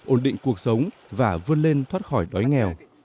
ổn định cuộc sống và vươn lên thoát khỏi đói nghèo